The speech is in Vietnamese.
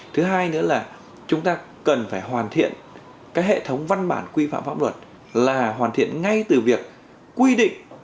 thứ hai nữa là chúng ta cần phải hoàn thiện các hệ thống văn bản quy phạm pháp luật là hoàn thiện ngay từ việc quy định